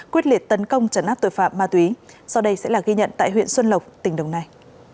quyết liệt tấn công trấn áp tội phạm ma túy sau đây sẽ là ghi nhận tại huyện xuân lộc tỉnh đồng nai